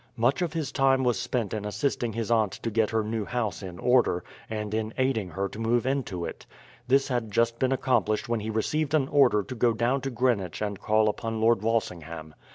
Much of his time was spent in assisting his aunt to get her new house in order, and in aiding her to move into it. This had just been accomplished when he received an order to go down to Greenwich and call upon Lord Walsingham.